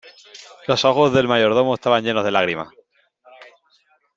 los ojos del mayordomo estaban llenos de lágrimas .